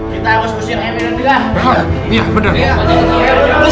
sekarang sekarang sekarang